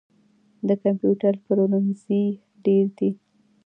د کمپیوټر پلورنځي ډیر دي